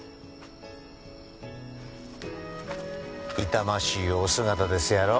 痛ましいお姿ですやろ。